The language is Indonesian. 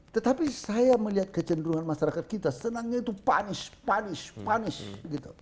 tetapi saya melihat kecenderungan masyarakat kita senangnya itu punish punish punish